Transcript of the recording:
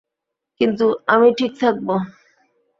কিন্তু আমি ঠিক থাকব।